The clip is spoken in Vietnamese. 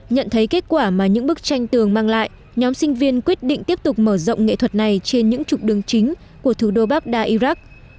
nhận thấy kết quả mà những bức tranh tường mang lại nhóm sinh viên quyết định tiếp tục mở rộng nghệ thuật này trên những trục đường chính của thủ đô baghdad iraq